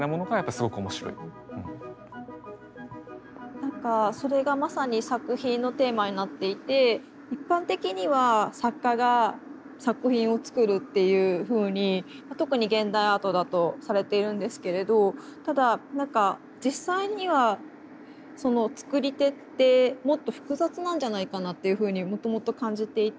なんかそれがまさに作品のテーマになっていて一般的には作家が作品を作るっていうふうに特に現代アートだとされているんですけれどただなんかっていうふうにもともと感じていて。